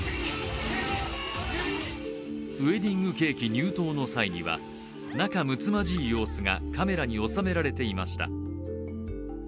ウェディングケーキ入刀の際には、仲むつまじい様子がカメラに収められていました。